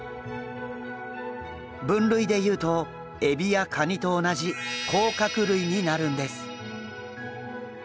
分類でいうとエビやカニと同じ甲殻類になるんです。